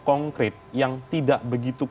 konkret yang tidak begitu